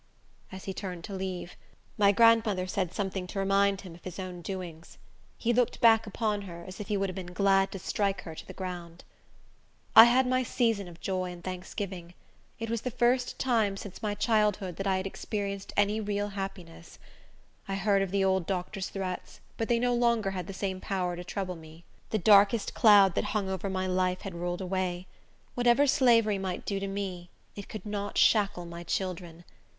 As he turned to leave, my grandmother said something to remind him of his own doings. He looked back upon her, as if he would have been glad to strike her to the ground. I had my season of joy and thanksgiving. It was the first time since my childhood that I had experienced any real happiness. I heard of the old doctor's threats, but they no longer had the same power to trouble me. The darkest cloud that hung over my life had rolled away. Whatever slavery might do to me, it could not shackle my children.